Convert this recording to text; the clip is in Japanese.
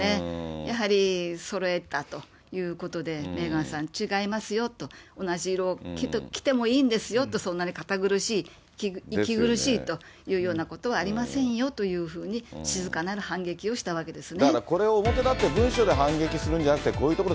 やはりそろえたということで、メーガンさん、違いますよと、同じ色を着てもいいんですよって、そんなに堅苦しい、息苦しいというようなことはありませんよというふうに、静かなる反撃をしたわけですね。